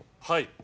はい。